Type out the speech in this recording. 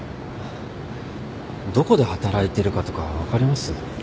どこで働いてるかとか分かります？